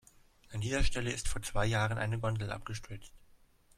An dieser Stelle ist vor zwei Jahren eine Gondel abgestürzt.